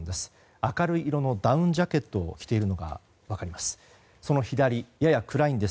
明るい色のダウンジャケットを着ているのが分かります。